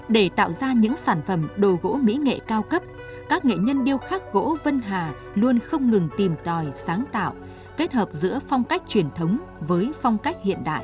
để tạo ra những sản phẩm đồ gỗ mỹ nghệ cao cấp các nghệ nhân điêu khắc gỗ vân hà luôn không ngừng tìm tòi sáng tạo kết hợp giữa phong cách truyền thống với phong cách hiện đại